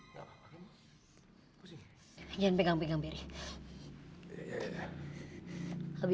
jangan p veri